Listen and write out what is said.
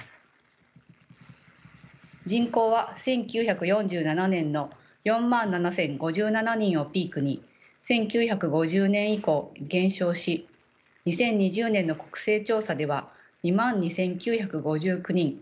人口は１９４７年の４万７，０５７人をピークに１９５０年以降減少し２０２０年の国勢調査では２万２，９５９人。